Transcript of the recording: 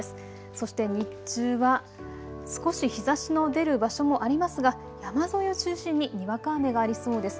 そして日中は少し日ざしの出る場所もありますが山沿いを中心ににわか雨がありそうです。